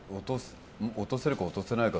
落とせるか、落とせないか。